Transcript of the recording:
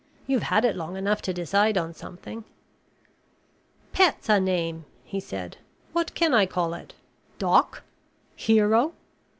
You've had it long enough to decide on something." "Pet's a name," he said. "What can I call it? Doc? Hero?"